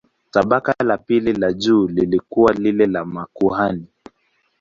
Tabaka la pili la juu lilikuwa lile la makuhani.